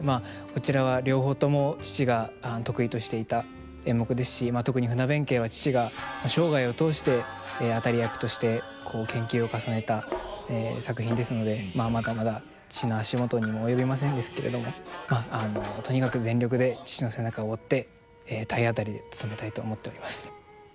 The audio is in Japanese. こちらは両方とも父が得意としていた演目ですし特に「船弁慶」は父が生涯を通して当たり役として研究を重ねた作品ですのでまだまだ父の足元にも及びませんですけれどもとにかく全力で父の背中を追って体当たりでつとめたいと思っております。